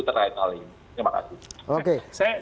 terkait hal ini terima kasih saya